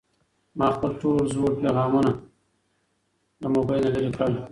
ما خپل ټول زوړ پيغامونه له موبایل نه لرې کړل.